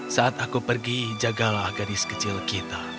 saat aku pergi jagalah gadis kecil kita